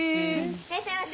いらっしゃいませ。